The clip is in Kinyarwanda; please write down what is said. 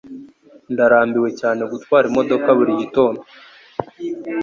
Ndarambiwe cyane gutwara imodoka buri gitondo.